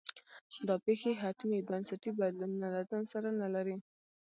دا پېښې حتمي بنسټي بدلونونه له ځان سره نه لري.